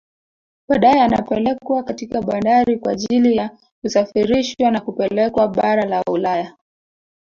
Badae yanapelekwa katika bandari kwa ajili ya kusafirishwa na kupelekwa bara la Ulaya